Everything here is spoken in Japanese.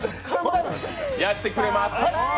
やってくれます。